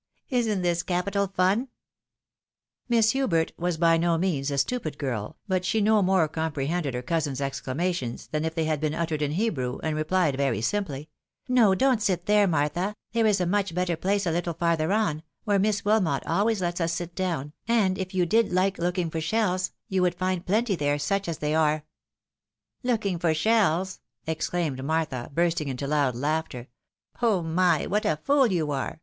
Isn't this capital fun ?" 120 THE WIDOW MARRIED. Miss Hubert was by no means a stupid girl, but she no more comprehended her cousin's exclamations, than if they had been uttered in Hebrew, and replied very simply, " No, don't sit there, Martha, there is a much better place a little farther on, where Miss Wihnot almost always lets us sit down, and if you did like looking for shells, you would find plenty there, such as they are." " Looking for shells !" exclaimed Martha, bursting into loud laughter. " Oh, my ! what a fool you are